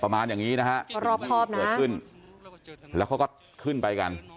ประมาณอย่างนี้นะฮะก็รอบครอบนะเกิดขึ้นแล้วเขาก็ขึ้นไปกัน